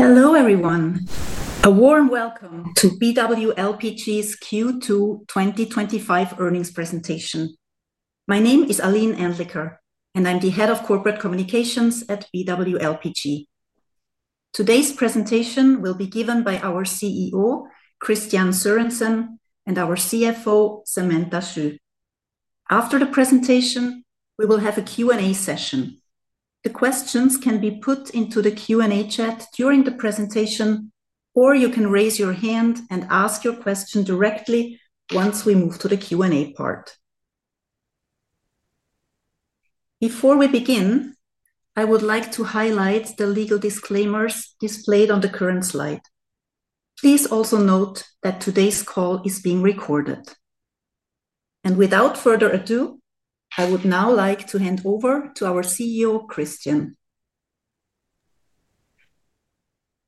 Hello everyone. A warm welcome to BW LPG's Q2 2025 Earnings Presentation. My name is Aline Anliker and I'm the Head of Corporate Communications at BW LPG. Today's presentation will be given by our CEO Kristian Sørensen and our CFO Samantha Xu. After the presentation we will have a Q&A session. The questions can be put into the Q&A chat during the presentation, or you can raise your hand and ask your question directly once we move to the Q&A part. Before we begin, I would like to highlight the legal disclaimers displayed on the current slide. Please also note that today's call is being recorded, and without further ado, I would now like to hand over to our CEO Kristian.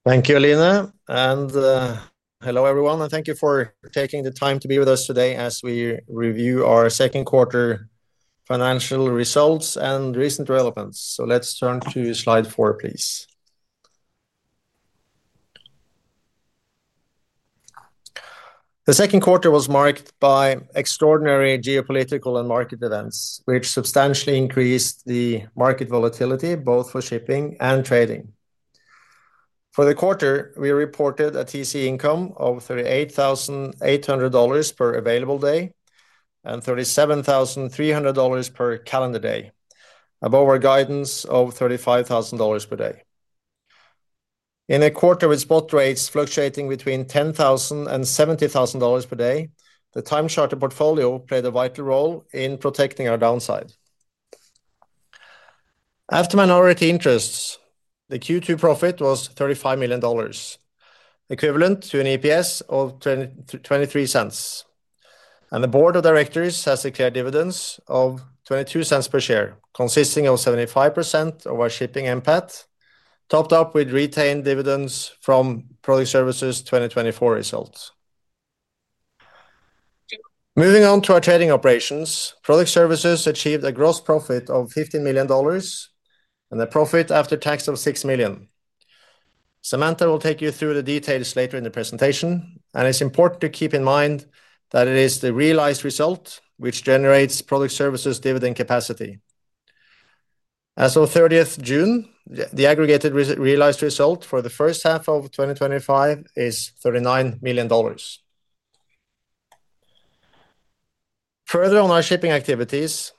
Thank you, Aline, and hello everyone, and thank you for taking the time to be with us today as we review our second quarter financial results and recent developments. Let's turn to slide 4, please. The second quarter was marked by extraordinary geopolitical and market events, which substantially increased the market volatility both for shipping and trading. For the quarter, we reported a TCE income of $38,800 per available day and $37,300 per calendar day, above our guidance of $35,000 per day. In a quarter with spot rates fluctuating between $10,000 and $70,000 per day, the time charter portfolio played a vital role in protecting our downside after minority interests. The Q2 profit was $35 million, equivalent to an EPS of $0.23, and the Board of Directors has declared dividends of $0.22 per share, consisting of 75% of our shipping NPAT topped up with retained dividends from Product Services 2024 Results. Moving on to our trading operations, product services achieved a gross profit of $15 million and a profit after tax of $6 million. Samantha will take you through the details later in the presentation, and it's important to keep in mind that it is the realized result which generates product services dividend capacity. As of 30th of June, the aggregated realized result for the first half of 2025 is $39 million. Further on our shipping activities,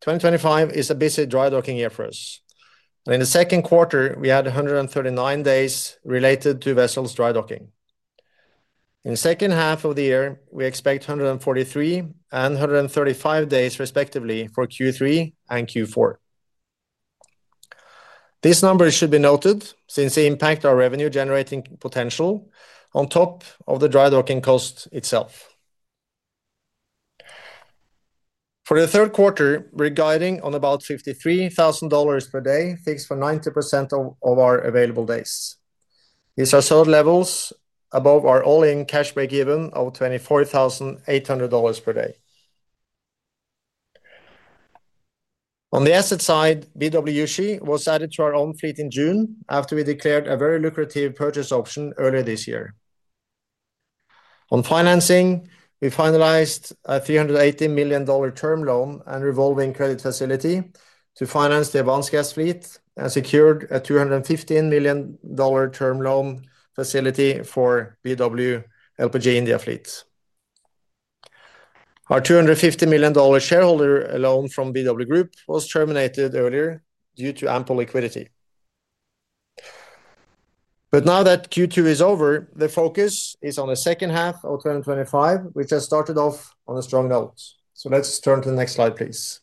2025 is a busy dry docking year for us. In the second quarter, we had 139 days related to vessels dry docking. In the second half of the year, we expect 143 and 135 days respectively for Q3 and Q4. These numbers should be noted since they impact our revenue generating potential on top of the dry docking cost itself. For the third quarter, we're guiding on about $53,000 per day fixed for 90% of our available days. These are solid levels above our all-in cash breakeven of $24,800 per day. On the asset side, BWG was added to our own fleet in June after we declared a very lucrative purchase option earlier this year. On financing, we finalized a $380 million term loan and revolving credit facility to finance the Avance Gas fleet and secured a $215 million term loan facility for BW LPG India fleet. Our $250 million shareholder loan from BW Group was terminated earlier due to ample liquidity. Now that Q2 is over, the focus is on the second half of 2025, which has started off on a strong note. Let's turn to the next slide, please.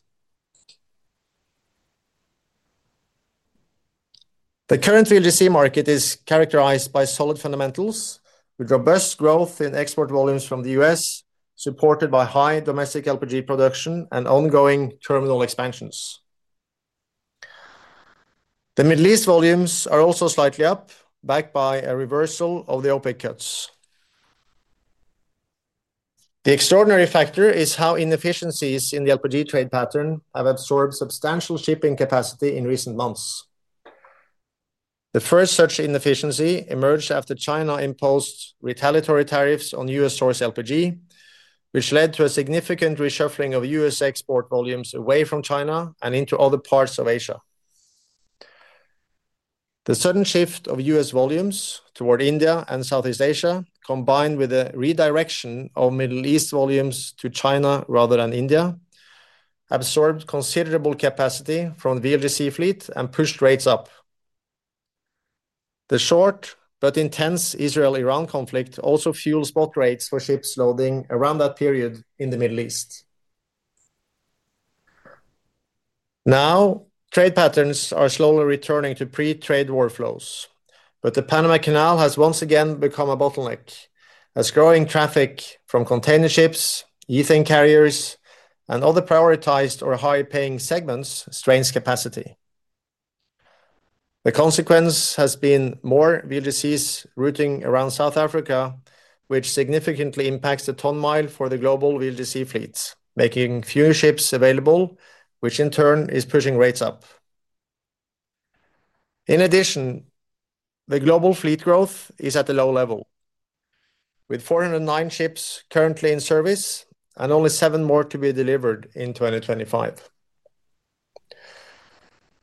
The current VLGC market is characterized by solid fundamentals with robust growth in export volumes from the U.S. supported by high domestic LPG production and ongoing terminal expansions. The Middle East volumes are also slightly up, backed by a reversal of the OPEC cuts. The extraordinary factor is how inefficiencies in the LPG trade pattern have absorbed substantial shipping capacity in recent months. The first such inefficiency emerged after China imposed retaliatory tariffs on U.S. source LPG, which led to a significant reshuffling of U.S. export volumes away from China and into other parts of Asia. The sudden shift of U.S. volumes toward India and Southeast Asia, combined with a redirection of Middle East volumes to China rather than India, absorbed considerable capacity from the VLGC fleet and pushed rates up. The short but intense Israel-Iran conflict also fuels spot rates for ships loading around that period in the Middle East. Now, trade patterns are slowly returning to pre-trade workflows, but the Panama Canal has once again become a bottleneck as growing traffic from container ships, ethane carriers, and other prioritized or high-paying segments strains capacity. The consequence has been more VLGCs routing around South Africa, which significantly impacts the ton mile for the global VLGC fleets, making fewer ships available, which in turn is pushing rates up. In addition, the global fleet growth is at a low level with 409 ships currently in service and only seven more to be delivered in 2025.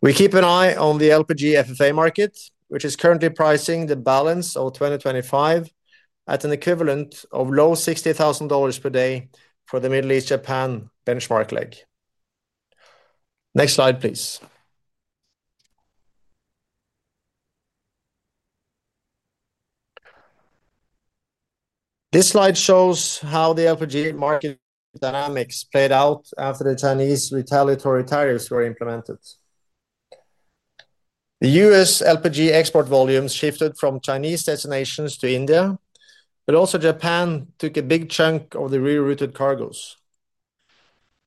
We keep an eye on the LPG FFA market, which is currently pricing the balance of 2025 at an equivalent of low $60,000 per day for the Middle East-Japan benchmark leg. Next slide please. This slide shows how the LPG market dynamics played out after the Chinese retaliatory tariffs were implemented. The U.S. LPG export volumes shifted from Chinese destinations to India, but also Japan took a big chunk of the rerouted cargoes.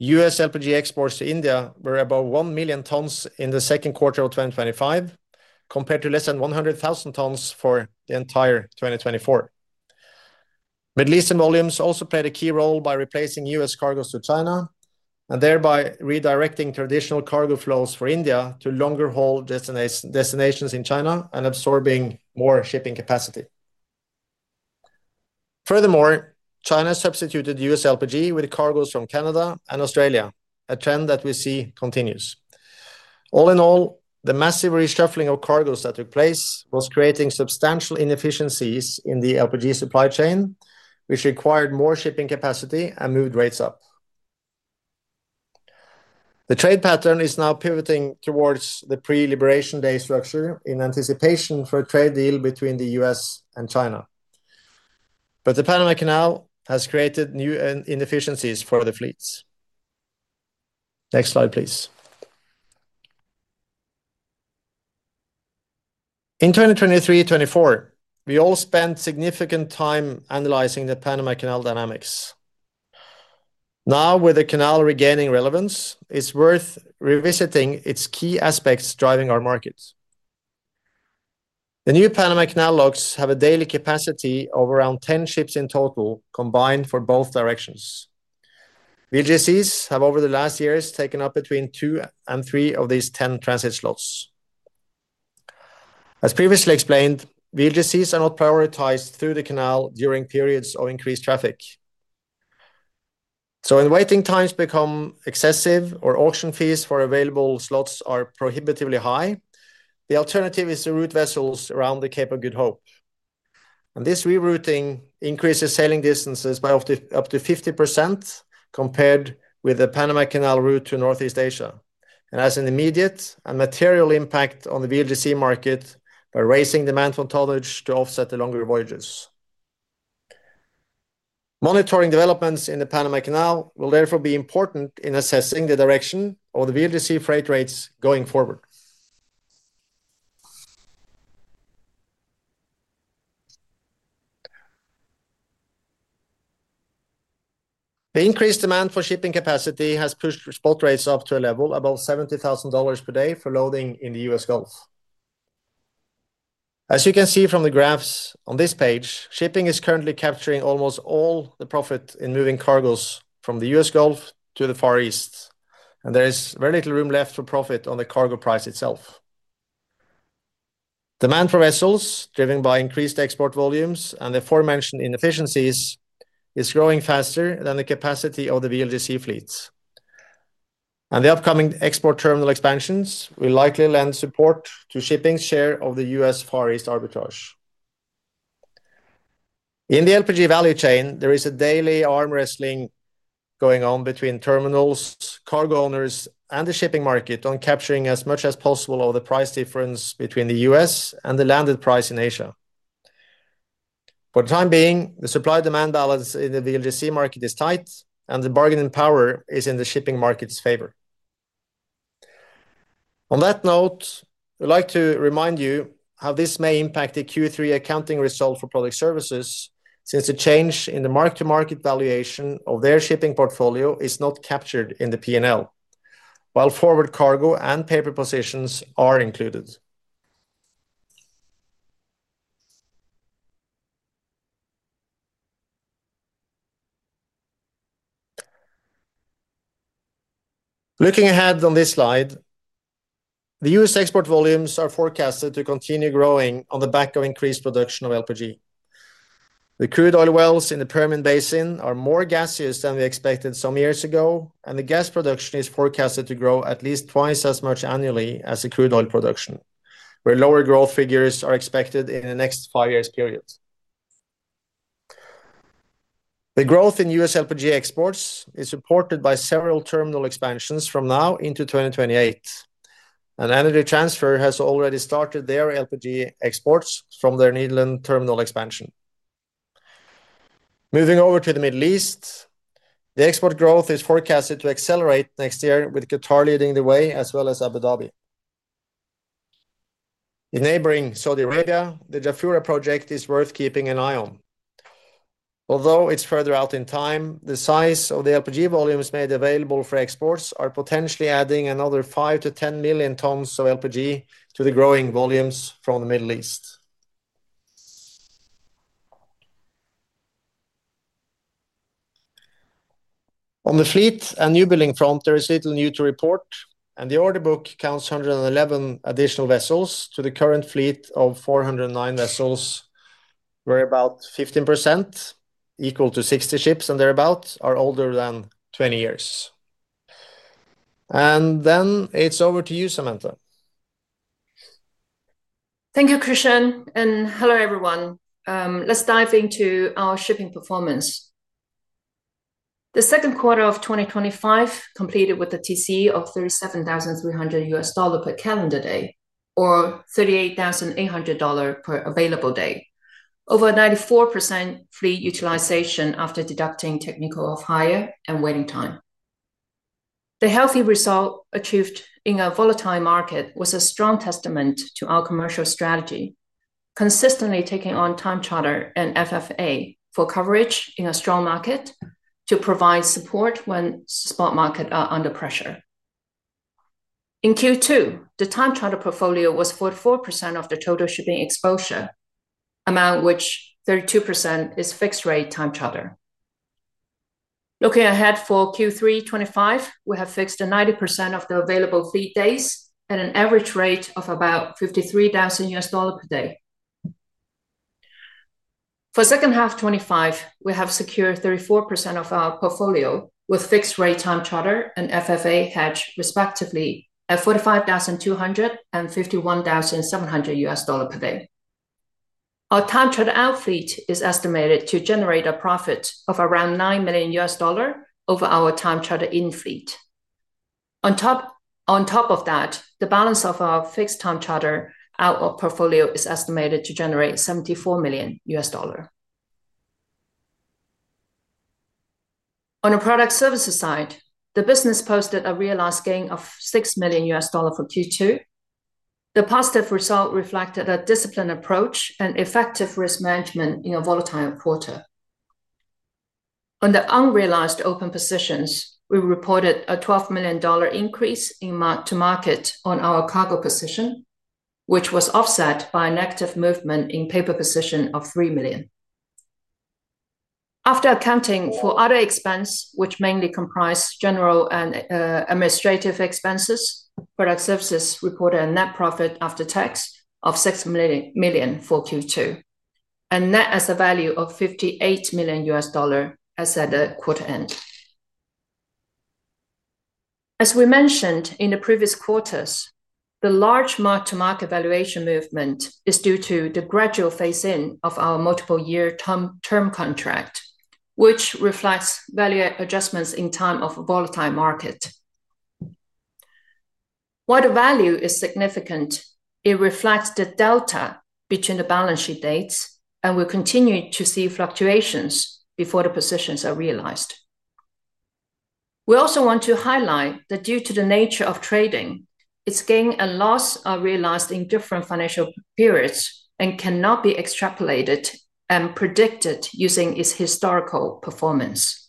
U.S. LPG exports to India were about 1 million tons in the second quarter of 2025, compared to less than 100,000 tons for the entire 2024. Middle Eastern volumes also played a key role by replacing U.S. cargoes to China and thereby redirecting traditional cargo flows for India to longer haul destinations in China and absorbing more shipping capacity. Furthermore, China substituted U.S. LPG with cargoes from Canada and Australia, a trend that we see continues. All in all, the massive reshuffling of cargoes that took place was creating substantial inefficiencies in the LPG supply chain, which required more shipping capacity and moved rates up. The trade pattern is now pivoting towards the pre-Liberation Day structure in anticipation for a trade deal between the U.S. and China, but the Panama Canal has created new inefficiencies for the fleets. Next slide please. In 2023-2024 we all spent significant time analyzing the Panama Canal dynamics. Now, with the Canal regaining relevance, it's worth revisiting its key aspects driving our market. The new Panama Canal locks have a daily capacity of around 10 ships in total combined for both directions. VLGCs have over the last years taken up between 2 and 3 of these 10 transit slots. As previously explained, VLGCs are not prioritized through the Canal during periods of increased traffic, so when waiting times become excessive or auction fees for available slots are prohibitively high, the alternative is to route vessels around the Cape of Good Hope. This rerouting increases sailing distances by up to 50% compared with the Panama Canal route to Northeast Asia and has an immediate and material impact on the VLGC market by raising demand from tonnage to offset the longer voyages. Monitoring developments in the Panama Canal will therefore be important in assessing the direction of the VLGC freight rates going forward. The increased demand for shipping capacity has pushed spot rates up to a level above $70,000 per day for loading in the U.S. Gulf. As you can see from the graphs on this page, shipping is currently capturing almost all the profit in moving cargoes from the U.S. Gulf to the Far East, and there is very little room left for profit on the cargo price itself. Demand for vessels driven by increased export volumes and the aforementioned inefficiencies is growing faster than the capacity of the VLGC fleets, and the upcoming export terminal expansions will likely lend support to shipping's share of the U.S.-Far East arbitrage in the LPG value chain. There is a daily arm wrestling going on between terminals, cargo owners, and the shipping market on capturing as much as possible of the price difference between the U.S. and the landed price in Asia. For the time being, the supply-demand balance in the VLGC market is tight and the bargaining power is in the shipping market's favor. On that note, we'd like to remind you how this may impact the Q3 accounting result for product services since the change in the mark to market valuation of their shipping portfolio is not captured in the P&L while forward cargo and paper positions are included. Looking ahead on this slide, the U.S. export volumes are forecasted to continue growing on the back of increased production of LPG. The crude oil wells in the Permian Basin are more gaseous than we expected some years ago, and the gas production is forecasted to grow at least twice as much annually as the crude oil production, where lower growth figures are expected in the next five years period. The growth in U.S. LPG exports is supported by several terminal expansions from now into 2028, and Energy Transfer has already started their LPG exports from their Nederland terminal expansion. Moving over to the Middle East, the export growth is forecasted to accelerate next year with Qatar leading the way as well as Abu Dhabi in neighboring Saudi Arabia. The Jafura project is worth keeping an eye on, although it's further out in time. The size of the LPG volumes made available for exports are potentially adding another 5 to 10 million tons of LPG to the growing volumes from the Middle East. On the fleet and newbuilding front, there is little new to report, and the order book counts 111 additional vessels to the current fleet of 409 vessels, where about 15% equal to 60 ships and thereabouts are older than 20 years. It's over to you, Samantha. Thank you Kristian and hello everyone. Let's dive into our shipping performance. The second quarter of 2025 completed with a TCE of $37,300 per calendar day or $38,800 per available day over 94% fleet utilization after deducting technical off hire and waiting time. The healthy result achieved in a volatile market was a strong testament to our commercial strategy, consistently taking on time charter and FFA for coverage in a strong market to provide support when spot market are under pressure. In Q2 the time charter portfolio was 44% of the total shipping exposure, among which 32% is fixed rate time charter. Looking ahead for Q3 2025, we have fixed 90% of the available fleet days at an average rate of about $53,000 per day. For second half 2025, we have secured 34% of our portfolio with fixed rate time charter and FFA hedge respectively at $45,251,700 per day. Our time charter out fleet is estimated to generate a profit of around $9 million over our time charter in fleet. On top of that, the balance of our fixed time charter outlook portfolio is estimated to generate $74 million. On the product services side, the business posted a realized gain of $6 million for Q2. The positive result reflected a disciplined approach and effective risk management in a volatile quarter. On the unrealized open positions, we reported a $12 million increase in mark to market on our cargo position, which was offset by a negative movement in paper position of $3 million. After accounting for other expense, which mainly comprise general and administrative expenses, product services reported a net profit after tax of $6 million for Q2 and net asset value of $58 million as at the quarter end. As we mentioned in the previous quarters, the large mark to market valuation movement is due to the gradual phase in of our multiple year term contract, which reflects value adjustments in time of volatile market. While the value is significant, it reflects the delta between the balance sheet dates and will continue to see fluctuations before the positions are realized. We also want to highlight that due to the nature of trading, its gain and loss are realized in different financial periods and cannot be extrapolated and predicted using its historical performance.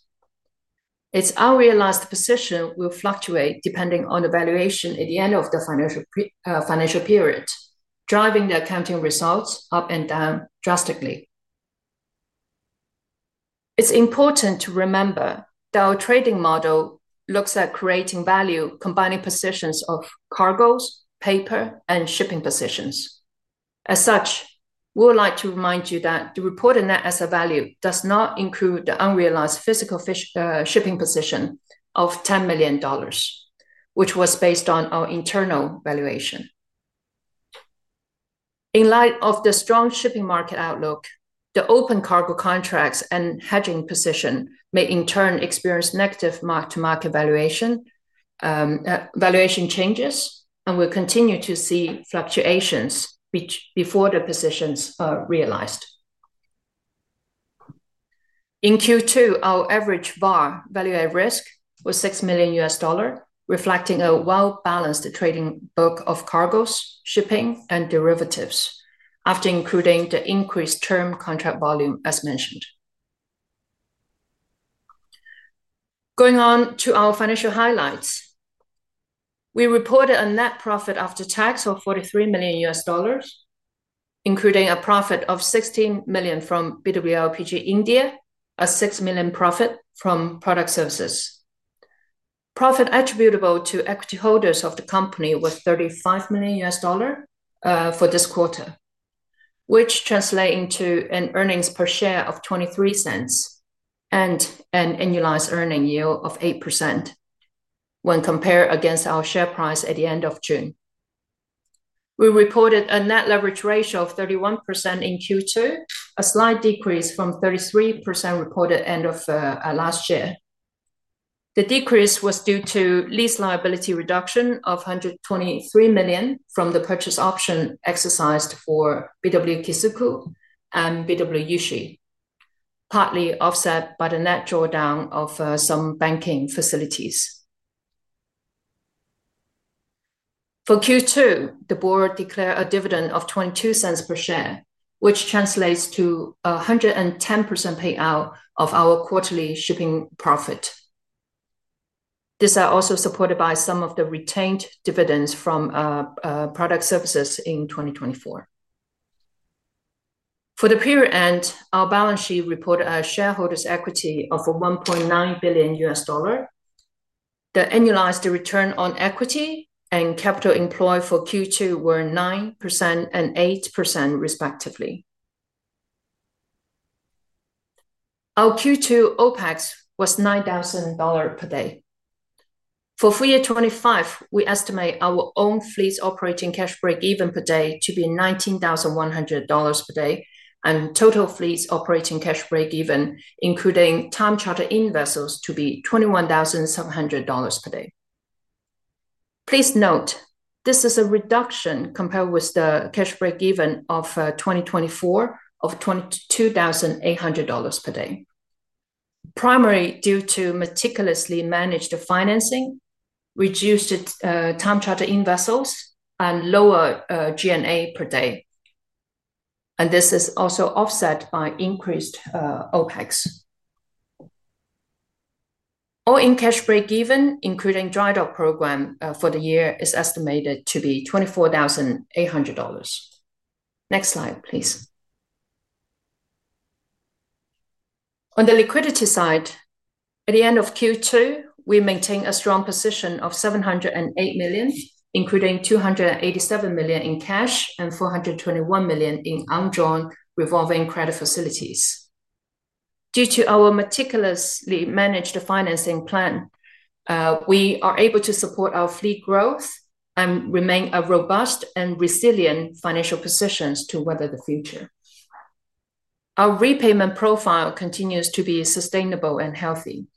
Its unrealized position will fluctuate depending on the valuation at the end of the financial period, driving the accounting results up and down drastically. It's important to remember that our trading model looks at creating value combining positions of cargoes, paper, and shipping positions. As such, we would like to remind you that the reported net asset value does not include the unrealized physical shipping position of $10 million, which was based on our internal valuation. In light of the strong shipping market outlook, the open cargo contracts and hedging position may in turn experience negative mark-to-market valuation changes and will continue to see fluctuations before the positions are realized. In Q2, our average VAR (value at risk) was $6 million, reflecting a well-balanced trading book of cargoes, shipping, and derivatives after including the increased term contract volume. As mentioned, going on to our financial highlights, we reported a net profit after tax of $43 million, including a profit of $16 million from BW LPG India, a $6 million profit from product services. Profit attributable to equity holders of the company was $35 million for this quarter, which translates into an earnings per share of $0.23 and an annualized earning yield of 8% when compared against our share price. At the end of June, we reported a net leverage ratio of 31% in Q2, a slight decrease from 33% reported end of last year. The decrease was due to lease liability reduction of $123 million from the purchase option exercised for BW Kisuku and BW Yushi, partly offset by the net drawdown of some banking facilities. For Q2, the board declared a dividend of $0.22 per share, which translates to 110% payout of our quarterly shipping profit. These are also supported by some of the retained dividends from product services in 2024. For the period end, our balance sheet reported a shareholders' equity of $1.9 billion. The annualized return on equity and capital employed for Q2 were 9% and 8% respectively. Our Q2 OpEx was $9,000 per day. For FY2025, we estimate our own fleet's operating cash breakeven per day to be $19,100 per day and total fleet's operating cash breakeven including time charter-in vessels to be $21,700 per day. Please note this is a reduction compared with the cash breakeven of 2024 of $22,800 per day, primarily due to meticulously managed financing, reduced time charter-in vessels, and lower G&A per day, and this is also offset by increased OpEx. All-in cash breakeven including dry dock program for the year is estimated to be $24,800. Next slide please. On the liquidity side, at the end of Q2 we maintain a strong position of $708 million including $287 million in cash and $421 million in undrawn revolving credit facilities. Due to our meticulously managed financing plan, we are able to support our fleet growth and remain a robust and resilient financial position to weather the future. Our repayment profile continues to be sustainable and healthy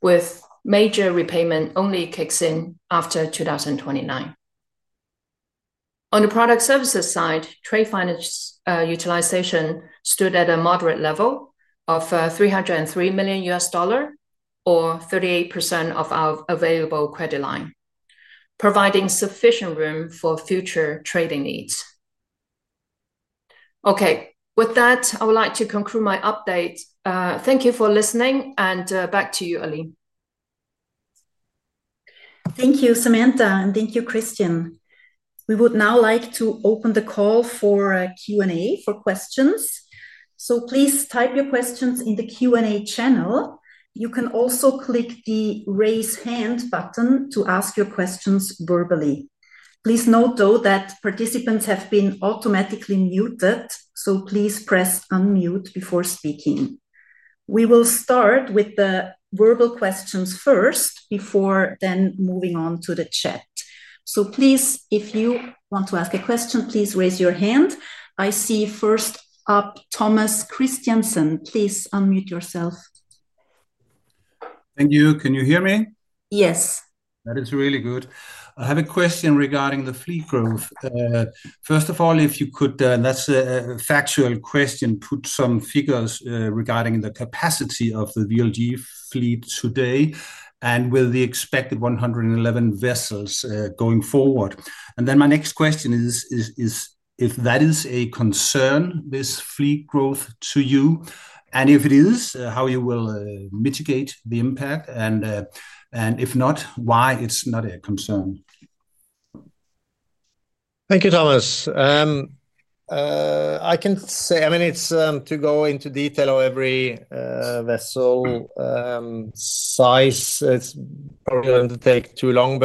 with major repayment only kicks in after 2029. On the product services side, trade finance utilization stood at a moderate level of $303 million or 38% of our available credit line, providing sufficient room for future trading needs. Okay, with that I would like to conclude my update. Thank you for listening and back to you Aline. Thank you, Samantha, and thank you, Kristian. We would now like to open the call for Q&A for questions, so please type your questions in the Q&A channel. You can also click the raise hand button to ask your questions verbally. Please note, though, that participants have been automatically muted, so please press unmute before speaking. We will start with the verbal questions first before then moving on to the chat. If you want to ask a question, please raise your hand. I see. First, Thomas Kristiansen, please unmute yourself. Thank you. Can you hear me? Yes. That is really good. I have a question regarding the fleet growth. First of all, if you could, that's a factual question, put some figures regarding the capacity of the VLGC fleet today and with the expected 111 vessels going forward. My next question is if that is a concern, this fleet growth to you, and if it is, how you will mitigate the impact and if not, why it's not a concern. Thank you, Thomas. I can say, I mean it's to go into detail of every vessel size, it's probably going to take too long.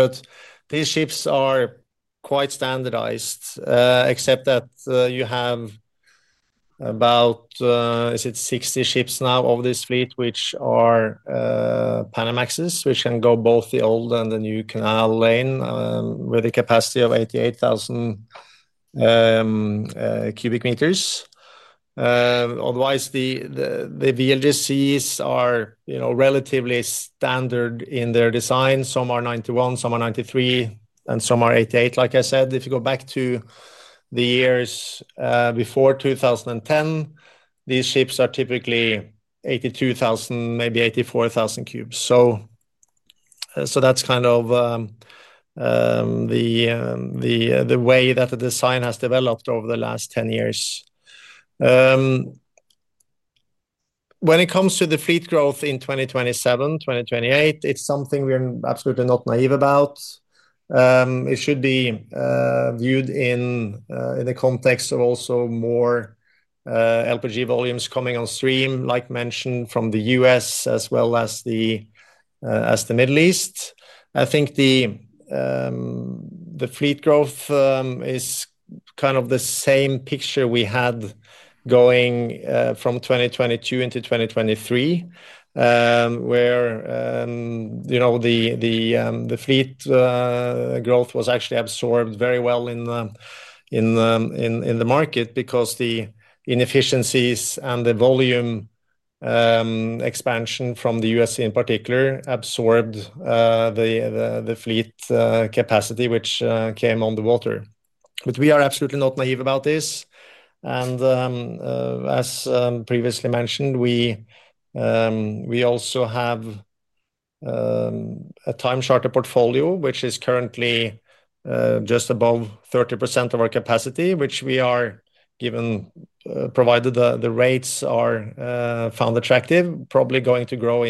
These ships are quite standardized, except that you have about, is it 60 ships now of this fleet which are Panamaxes, which can go both the old and the new canal lane with a capacity of 88,000 cubic meters. Otherwise, the VLGCs are relatively standard in their design. Some are 91, some are 93, and some are 88. Like I said, if you go back to the years before 2010, these ships are typically 82,000, maybe 84,000 cubes. That's kind of the way that the design has developed over the last 10 years. When it comes to the fleet growth in 2027, 2028, it's something we are absolutely not naive about. It should be viewed in the context of also more LPG volumes coming on stream like mentioned from the U.S. as well as the Middle East. I think the fleet growth is kind of the same picture we had going from 2022 into 2023 where, you know, the fleet growth was actually absorbed very well in the market because the inefficiencies and the volume expansion from the U.S. in particular absorbed the fleet capacity which came on the water. We are absolutely not naive about this. As previously mentioned, we also have a time charter portfolio which is currently just above 30% of our capacity, which we are given, provided the rates are found attractive, probably going to grow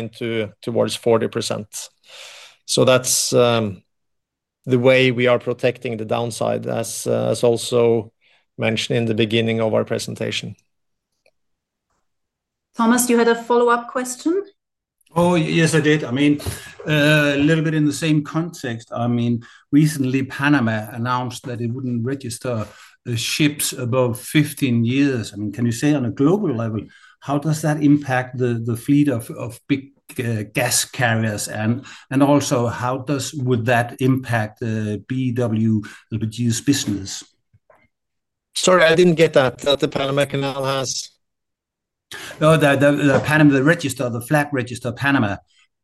towards 40%. That's the way we are protecting the downside, as also mentioned in the beginning of our presentation. Thomas, you had a follow-up question? Oh yes, I did. I mean a little bit in the same context. Recently, Panama announced that it wouldn't register ships above 15 years. Can you say on a global level, how does that impact the fleet of big gas carriers? Also, how would that impact BW LPG business? Sorry, I didn't get that. The Panama Canal has. The register, the flag register. Panama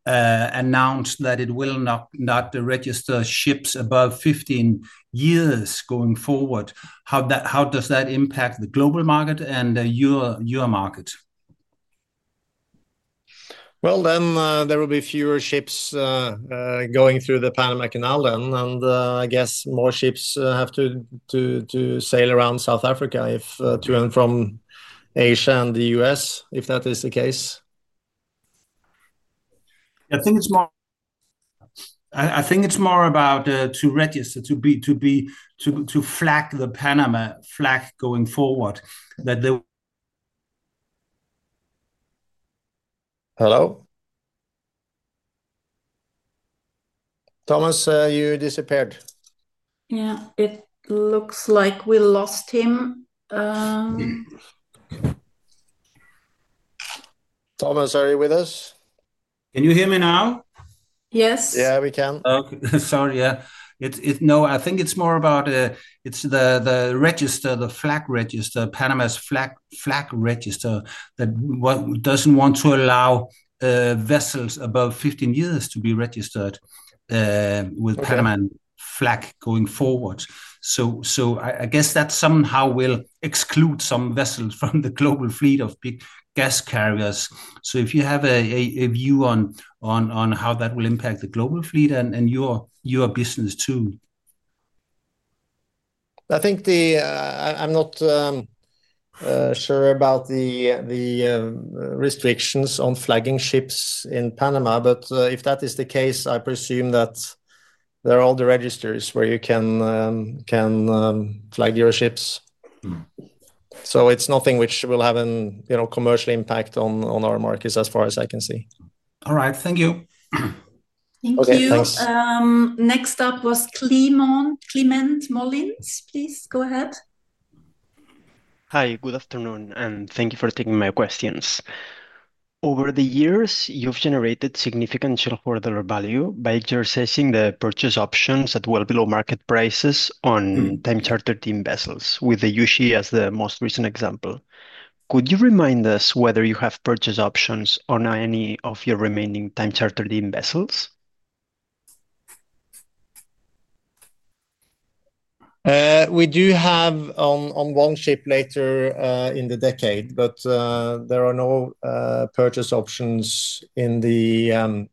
announced that it will not register ships above 15 years. Going forward, how does that impact the global market and your market? There will be fewer ships going through the Panama Canal, and I guess more ships have to sail around South Africa to and from Asia and the U.S. If that is the case, I think it's more. I think it's more about to register to flag the Panama flag going forward. Hello? Thomas, you disappeared. Yeah, it looks like we lost him. Thomas, are you with us? Can you hear me now? Yes. Yeah, we can. Okay. Sorry. I think it's more about the register, the flag register, Panama's flag register that doesn't want to allow vessels above 15 years to be registered with Panama flag going forward. I guess that somehow will exclude some vessels from the global fleet of big gas carriers. If you have a view on how that will impact the global fleet and your business too. I think I'm not sure about the restrictions on flagging ships in Panama, but if that is the case, I presume that there are all the registers where you can flag your ships. It's nothing which will have a commercial impact on our markets as far as I can see. All right, thank you. Thank you. Next up was Climent Molins. Please go ahead. Hi, good afternoon and thank you for taking my questions. Over the years you've generated significant shareholder value by exercising the purchase options at well below market prices on time chartered vessels, with the YUSHI as the most recent example. Could you remind us whether you have purchase options on any of your remaining time chartered in vessels? We do have on one ship later in the decade, but there are no purchase options in the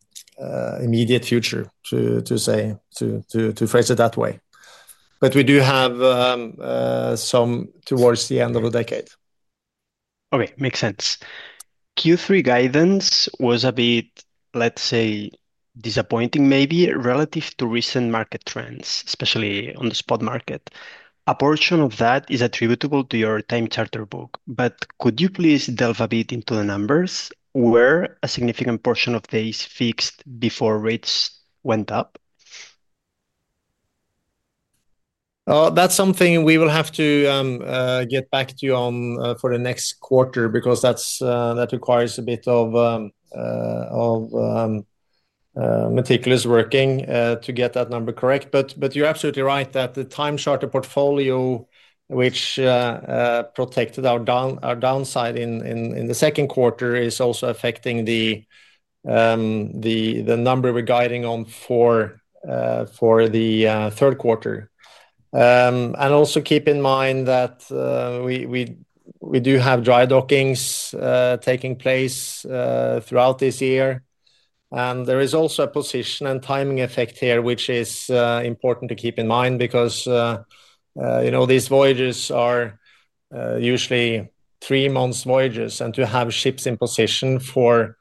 immediate future. To phrase it that way, we do have some towards the end of the decade. Okay, makes sense. Q3 guidance was a bit, let's say, disappointing maybe relative to recent market trends, especially on the spot market. A portion of that is attributable to your time charter book. Could you please delve a bit into the numbers? Were a significant portion of days fixed before rates went up? That's something we will have to get back to you on for the next quarter because that requires a bit of meticulous working to get that number correct. You're absolutely right that the time charter portfolio, which protected our downside in the second quarter, is also affecting the number we're guiding on for the third quarter. Also, keep in mind that we do have dry dockings taking place throughout this year. There is also a position and timing effect here, which is important to keep in mind because these voyages are usually three months voyages, and to have ships in position for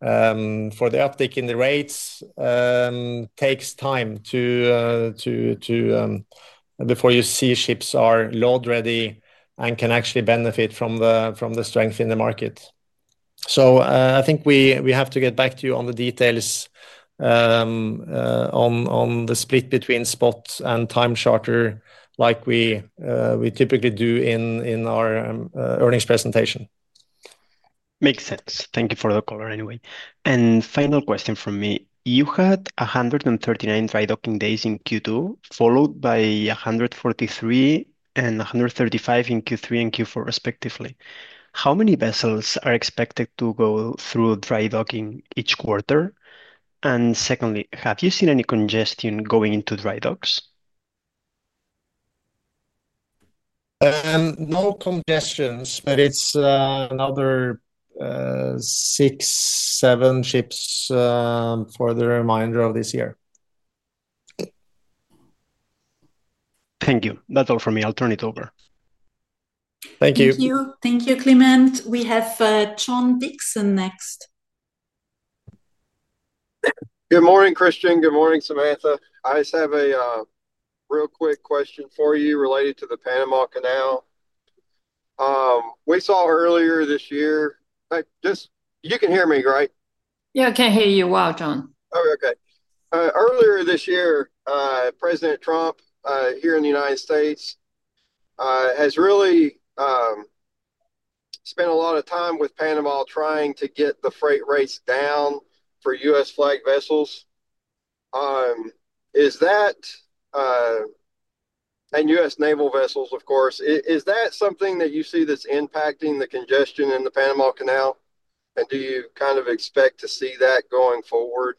the uptick in the rates takes time before you see ships are load ready and can actually benefit from the strength in the market. I think we have to get back to you on the details on the split between spots and time charter like we typically do in our earnings presentation. Makes sense. Thank you for the color. Anyway, final question from me. You had 139 dry docking days in Q2, followed by 143 and 135 in Q3 and Q4, respectively. How many vessels are expected to go through dry docking each quarter? Secondly, have you seen any congestion going into dry docks? No congestions, but it's another 6-7 ships for the remainder of this year. Thank you. That's all for me. I'll turn it over. Thank you. Thank you. Thank you, Climent. We have John Dixon next. Good morning, Kristian. Good morning, Samantha. I just have a real quick question for you related to the Panama Canal we saw earlier this year. You can hear me, right? Yeah, I can't hear you. While, John. Okay. Earlier this year President Trump here in the U.S. has really spent a lot of time with Panama trying to get the freight rates down for U.S. flagged vessels. Is that, and U.S. Naval vessels, of course, is that something that you see that's impacting the congestion in the Panama Canal, and do you kind of expect to see that going forward?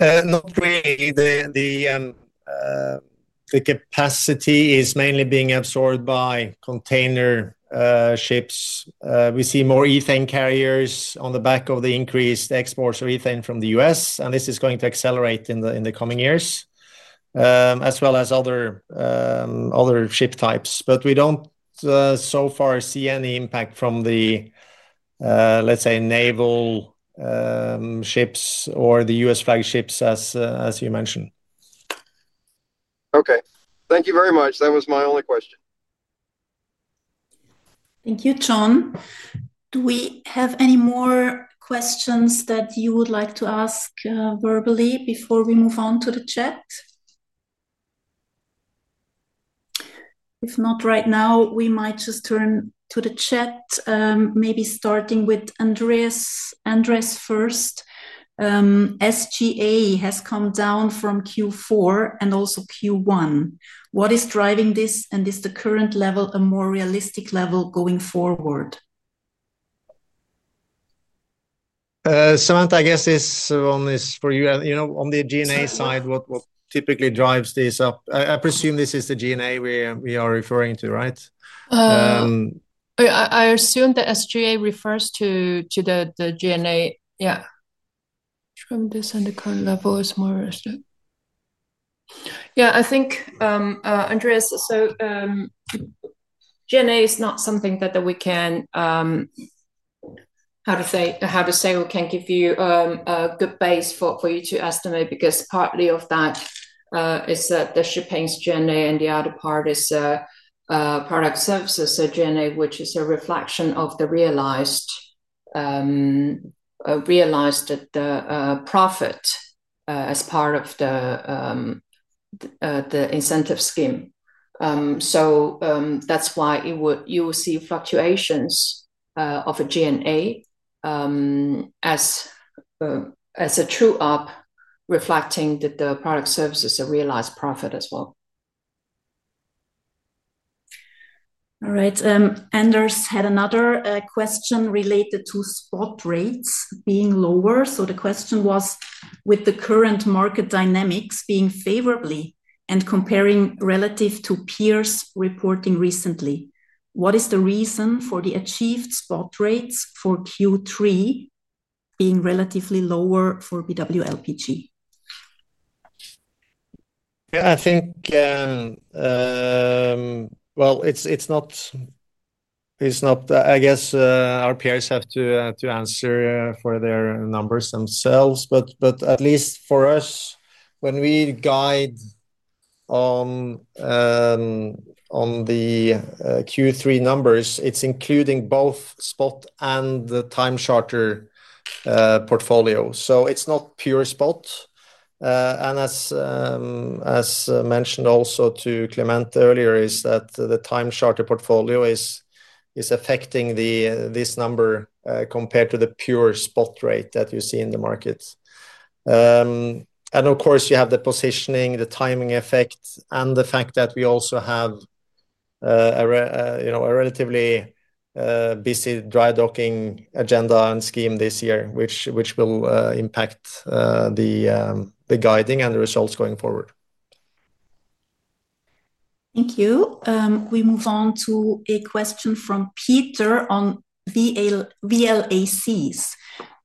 Not really. The capacity is mainly being absorbed by container ships. We see more ethane carriers on the back of the increased exports of ethane from the U.S., and this is going to accelerate in the coming years as well as other ship types. We don't so far see any impact from the, let's say, naval ships or the U.S. flagships as you mentioned. Okay, thank you very much. That was my only question. Thank you. John, do we have any more questions that you would like to ask verbally before we move on to the chat? If not, right now we might just turn to the chat, maybe starting with Andres first. SGA has come down from Q4 and also Q1. What is driving this, and is the current level a more realistic level going forward? Samantha, I guess this one is for you. You know, on the G&A side, what typically drives this up? I presume this is the G&A we are referring to, right? I assume the SG&A refers to the G&A. From this end, it's more. I think Andreas. G&A is not something that we can, how to say, we can give you a good base for you to estimate because partly of that is that the shipping's G&A and the other part is product services G&A, which is a reflection of the realized profit as part of the incentive scheme. That's why you will see fluctuations of G&A as a true-up, reflecting that the product services is a realized profit as well. All right. Anders had another question related to spot rates being lower. The question was with the current market dynamics being favorable and comparing relative to peers reporting recently, what is the reason for the achieved spot rates for Q3 being relatively lower for BW LPG? I think it can. It's not. I guess our peers have to answer for their numbers themselves. At least for us, when we guide on the Q3 numbers, it's including both spot and the time charter portfolio. It's not pure spot. As mentioned also to Climent earlier, the time charter portfolio is affecting this number compared to the pure spot rate that you see in the markets. Of course, you have the positioning, the timing effect, and the fact that we also have a relatively busy dry docking agenda and scheme this year, which will impact the guiding and the results going forward. Thank you. We move on to a question from Peter on VLACs.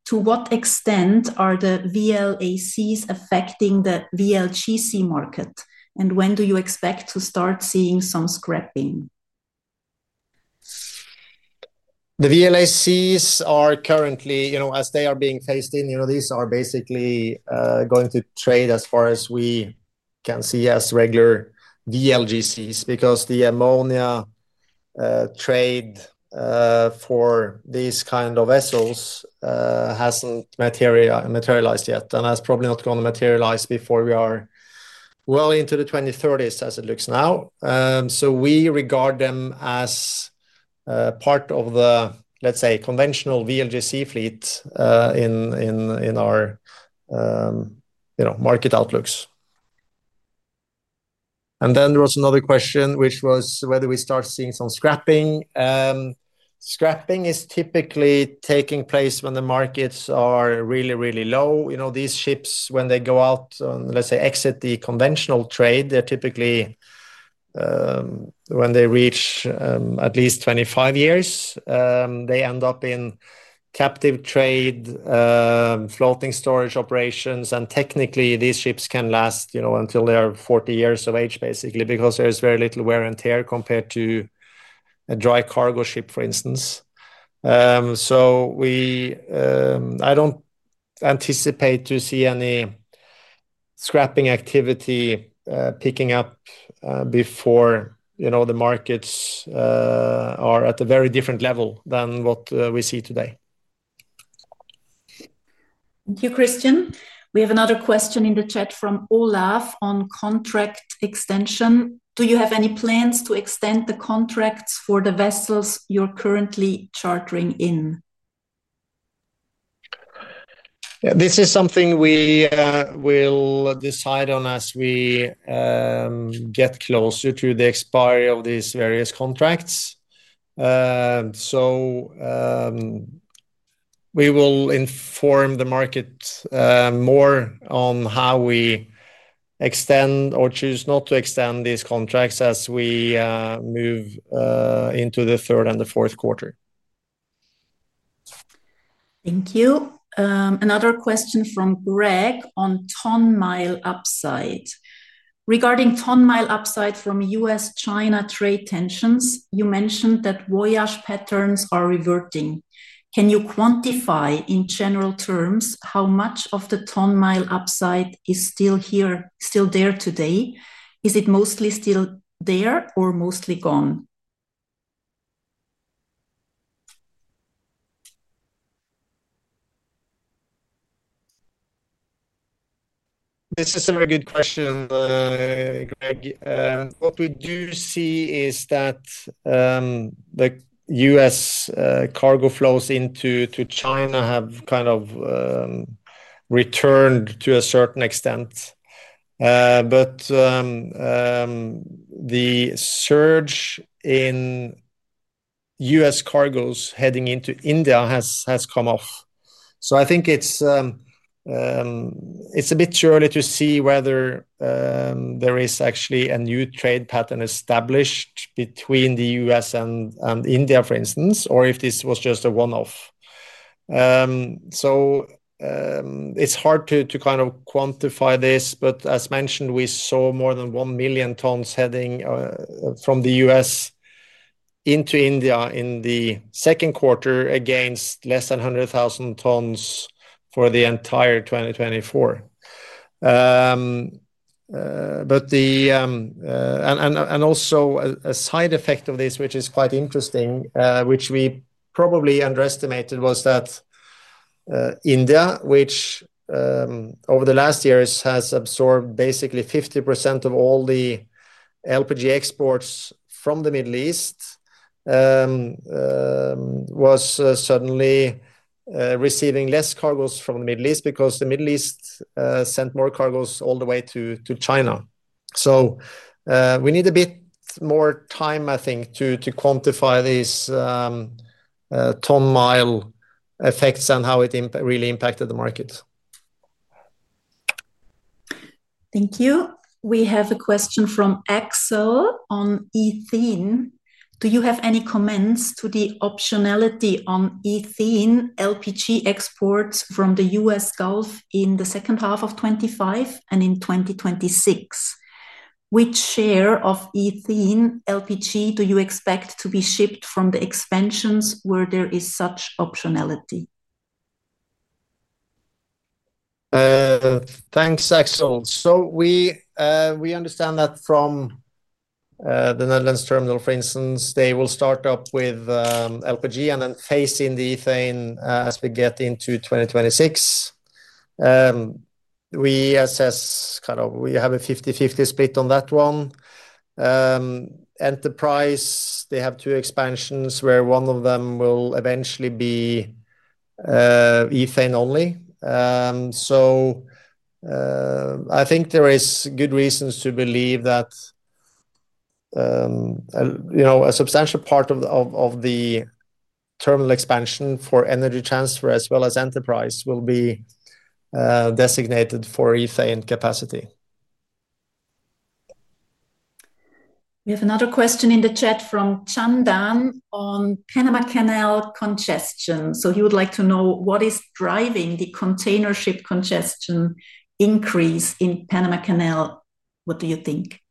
To what extent are the VLACs affecting the VLGC market, and when do you expect to start seeing some scrapping? The VLACs are currently, you know, as they are being phased in. You know, these are basically going to trade as far as we can see as regular VLGCs because the ammonia trade for these kind of vessels hasn't materialized yet and has probably not going to materialize before we are well into the 2030s as it looks now. We regard them as part of the, let's say, conventional VLGC fleet in our, you know, market outlooks. There was another question which was whether we start seeing some scrapping. Scrapping is typically taking place when the markets are really, really low. These ships, when they go out, let's say exit the conventional trade, they're typically when they reach at least 25 years, they end up in captive trade, floating storage operations, and technically these ships can last until they are 40 years of age, basically because there is very little wear and tear compared to a dry cargo ship for instance. I don't anticipate to see any scrapping activity picking up before the markets are at a very different level than what we see today. Thank you, Kristian. We have another question in the chat from Olaf on contract extension. Do you have any plans to extend the contracts for the vessels you're currently chartering in? This is something we will decide on as we get closer to the expiry of these various contracts. We will inform the market more on how we extend or choose not to extend these contracts as we move into the third and the fourth quarter. Thank you. Another question from Greg on ton mile upside regarding ton mile upside from U.S.-China trade tensions. You mentioned that voyage patterns are reverting. Can you quantify in general terms how much of the ton mile upside is still here, still there today? Is it mostly still there or mostly gone? This is a very good question, Greg. What we do see is that the U.S. cargo flows into China have kind of returned to a certain extent, but the surge in U.S. cargoes heading into India has come off. I think it's a bit too early to see whether there is actually a new trade pattern established between the U.S. and India for instance, or if this was just a one off. It's hard to kind of quantify this. As mentioned, we saw more than 1 million tons heading from the U.S. into India in the second quarter against less than 100,000 tons for the entire 2024. Also, a side effect of this, which is quite interesting, which we probably underestimated, was that India, which over the last years has absorbed basically 50% of all the LPG exports from the Middle East, was suddenly receiving less cargoes from the Middle East because the Middle East sent more cargoes all the way to China. We need a bit more time I think to quantify these ton mile effects and how it really impacted the market. Thank you. We have a question from Axel on Ethene. Do you have any comments to the optionality on Ethene LPG exports from the U.S. Gulf in second half of 2025 and in 2026? Which share of Ethene LPG do you expect to be shipped from the expansions where there is such optionality? Thanks, Axel. We understand that from the Netherlands terminal, for instance, they will start up with LPG and then phase in the ethane. As we get into 2026, we assess we have a 50/50 split on that one. Enterprise has two expansions where one of them will eventually be ethane only. I think there is good reason to believe that a substantial part of the terminal expansion for Energy Transfer as well as Enterprise will be designated for ethane capacity. We have another question in the chat from Chandan on Panama Canal congestion. He would like to know what is driving the container ship congestion increase in Panama Canal. What do you think?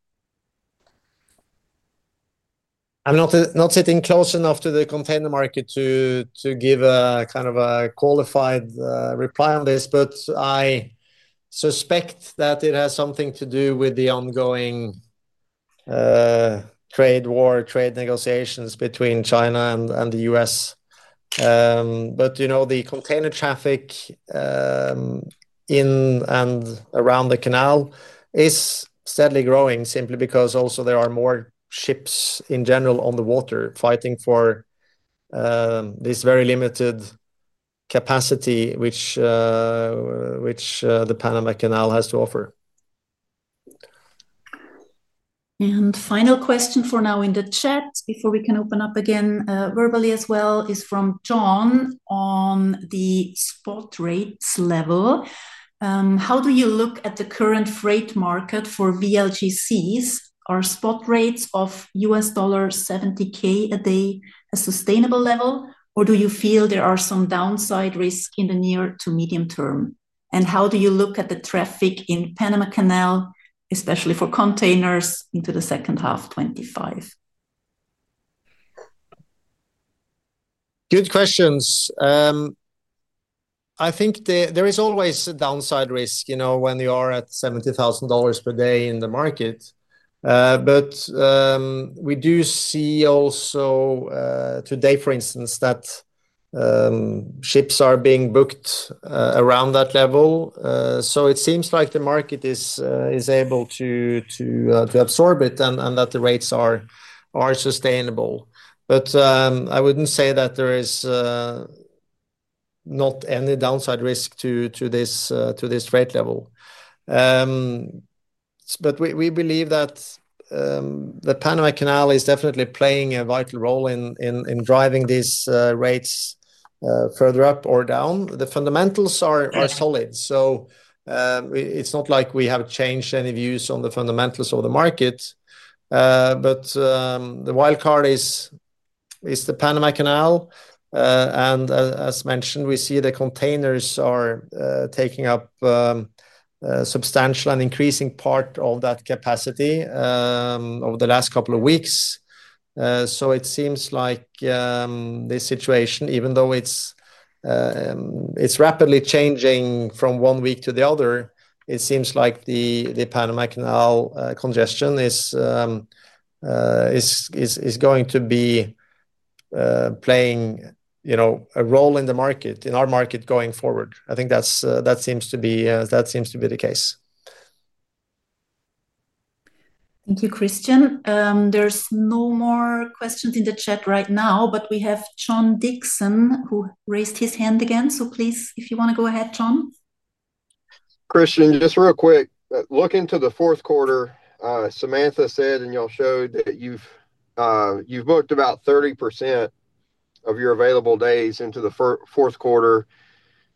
I'm not sitting close enough to the container market to give a kind of a qualified reply on this, but I suspect that it has something to do with the ongoing trade war trade negotiations between China and the U.S. You know, the container traffic in and around the canal is sadly growing simply because also there are more ships in general on the water fighting for this very limited capacity, which the Panama Canal has to offer. Final question for now in the chat before we can open up again verbally as well is from John on the spot rates level. How do you look at the current freight market for VLGCs? Are spot rates of $70,000 a day a sustainable level or do you feel there are some downside risks in the near to medium term? How do you look at the traffic in the Panama Canal, especially for containers into the second half of 2025? Good questions. I think there is always a downside risk, you know, when you are at $70,000 per day in the market. We do see also today, for instance, that ships are being booked around that level. It seems like the market is able to absorb it and that the rates are sustainable. I wouldn't say that there is not any downside risk to this freight level. We believe that the Panama Canal is definitely playing a vital role in driving these rates further up or down. The fundamentals are solid. It's not like we have changed any views on the fundamentals of the market. The wildcard is the Panama Canal, and as mentioned, we see the containers are taking up substantial and increasing part of that capacity over the last couple of weeks. It seems like this situation, even though it's rapidly changing from one week to the other, the Panama Canal congestion is going to be playing a role in the market, in our market going forward. I think that seems to be the case. Thank you, Kristian. There's no more questions in the chat right now, but we have John Dixon who raised his hand again. Please, if you want to go. Ahead, John, Kristian, just real quick looking to the fourth quarter, Samantha said, and you all showed that you've booked about 30% of your available days into the fourth quarter.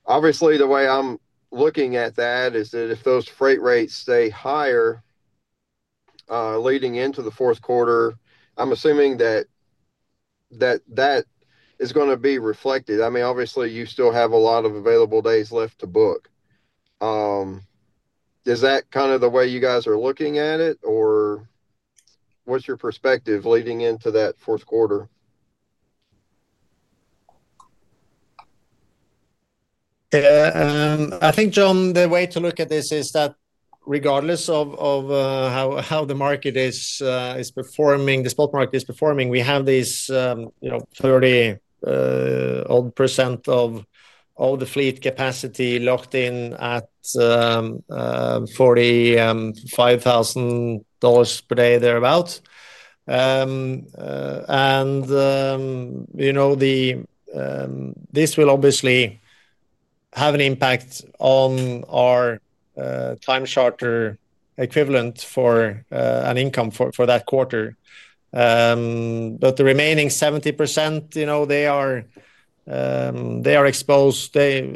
Obviously, the way I'm looking at that is that if those freight rates stay higher leading into the fourth quarter, I'm assuming that that is going to be reflected. I mean, obviously you still have a lot of available days left to book. Is that kind of the way you guys are looking at it or what's your perspective leading into that fourth quarter? I think, John, the way to look at this is that regardless of how the market is performing, the spot market is performing, we have 30% of all the fleet capacity locked in at $45,000 per day thereabouts. This will obviously have an impact on our time charter equivalent income for that quarter. The remaining 70% are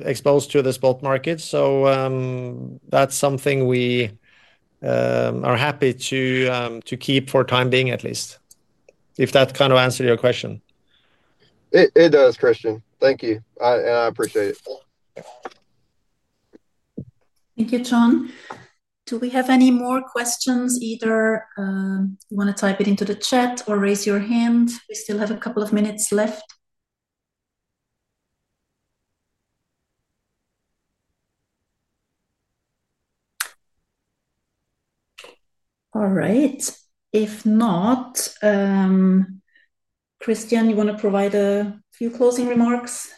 exposed to the spot market. That's something we are happy to keep for the time being at least, if that kind of answered your question. It does, Kristian, thank you and I appreciate it. Thank you, John. Do we have any more questions? Either want to type it into the chat or raise your hand. We still have a couple of minutes left. All right. If not, Kristian, you want to provide a few closing remarks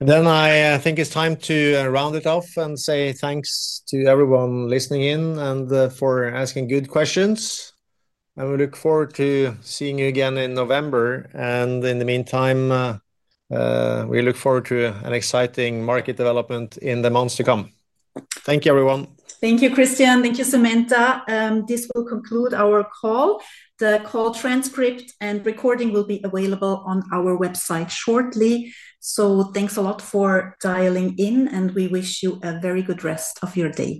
and then I. think it's time to round it off and say thanks to everyone listening in and for asking good questions. We look forward to seeing you again in November. In the meantime, we look forward to an exciting market development in the months to come. Thank you everyone. Thank you, Kristian. Thank you, Samantha. This will conclude our call. The call transcript and recording will be available on our website shortly. Thank you a lot for dialing in and we wish you a very good rest of your day.